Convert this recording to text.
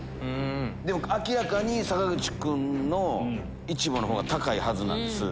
でも明らかに坂口君のイチボの方が高いはずなんです。